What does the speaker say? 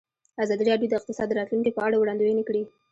ازادي راډیو د اقتصاد د راتلونکې په اړه وړاندوینې کړې.